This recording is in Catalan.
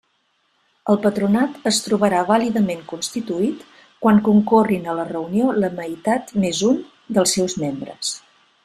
El Patronat es trobarà vàlidament constituït quan concorrin a la reunió la meitat més un dels seus membres.